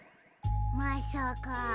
まさか。